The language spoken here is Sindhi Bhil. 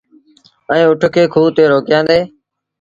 ائيٚݩ اُٺ کي کوه تي روڪيآݩدي۔